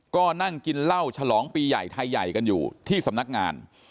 ก็นั่งกินเหล้าฉลองปีใหญ่ไทยใหญ่กันอยู่ที่สำนักงาน